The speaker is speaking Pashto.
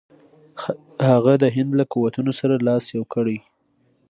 هغه د هند له قوتونو سره لاس یو کړي.